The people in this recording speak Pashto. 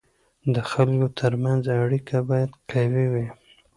د خلکو ترمنځ اړیکه باید قوي وي.